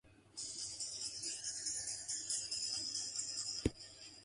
He practised as a surgeon at Chester and Warrington.